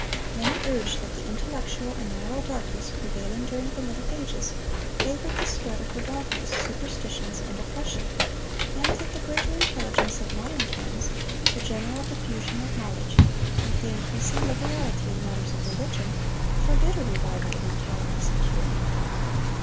Many urge that the intellectual and moral darkness prevailing during the Middle Ages favored the spread of her dogmas, superstitions, and oppression, and that the greater intelligence of modern times, the general diffusion of knowledge, and the increasing liberality in matters of religion, forbid a revival of intolerance and tyranny.